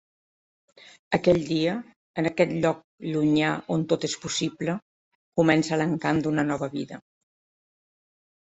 Aquell dia, en aquest lloc llunyà on tot és possible, comença l'encant d'una nova vida.